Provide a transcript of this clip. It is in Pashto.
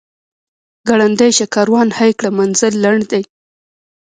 ګړندی شه کاروان هی کړه منزل لنډ دی.